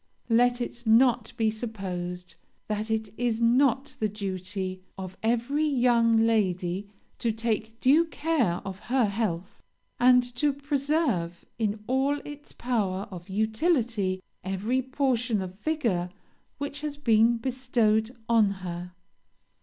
Let it not be supposed that it is not the duty of every young lady to take due care of her health, and to preserve in all its power of utility every portion of vigor which has been bestowed on her.